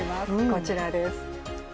こちらです。